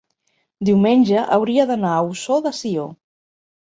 diumenge hauria d'anar a Ossó de Sió.